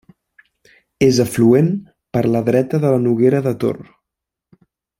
És afluent per la dreta de la Noguera de Tor.